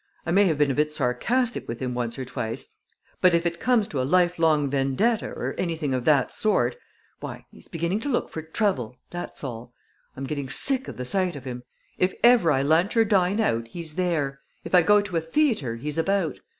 I may have been a bit sarcastic with him once or twice; but if it comes to a lifelong vendetta, or anything of that sort, why, he's beginning to look for trouble that's all! I'm getting sick of the sight of him. If ever I lunch or dine out he's there. If I go to a theater he's about.